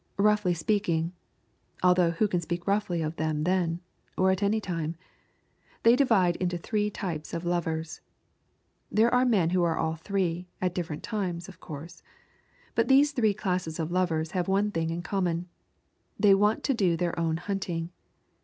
Roughly speaking (although who can speak roughly of them then? Or at any time?) they divide into three types of lovers. There are men who are all three, at different times of course. But these three classes of lovers have one thing in common. They want to do their own hunting.